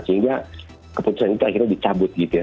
sehingga keputusan itu akhirnya dicabut gitu ya